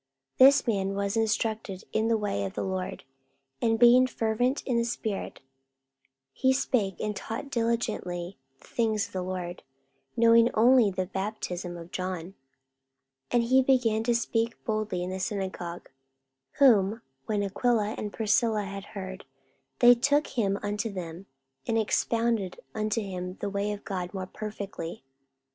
44:018:025 This man was instructed in the way of the Lord; and being fervent in the spirit, he spake and taught diligently the things of the Lord, knowing only the baptism of John. 44:018:026 And he began to speak boldly in the synagogue: whom when Aquila and Priscilla had heard, they took him unto them, and expounded unto him the way of God more perfectly.